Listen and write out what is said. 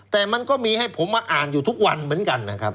แต่มันก็มีให้ผมมาอ่านอยู่ทุกวันเหมือนกันนะครับ